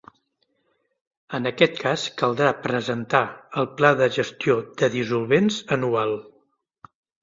En aquest cas, caldrà presentar el pla de gestió de dissolvents anual.